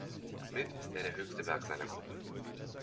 Mit ist er der höchste Berg seiner Gruppe.